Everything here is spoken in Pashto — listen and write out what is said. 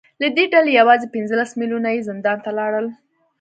له دې ډلې یوازې پنځلس میلیونه یې زندان ته لاړل